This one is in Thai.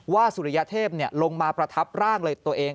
สุริยเทพลงมาประทับร่างเลยตัวเอง